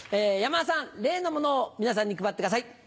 山田さん例のものを皆さんに配ってください。